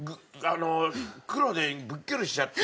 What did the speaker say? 黒でぶっきょりしちゃって。